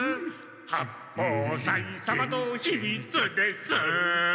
「八方斎様のひみつです」